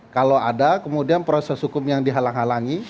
kalau ada kemudian proses hukum yang dihalang halangi